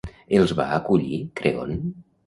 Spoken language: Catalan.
Els va acollir Creont?